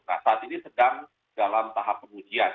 nah saat ini sedang dalam tahap pengujian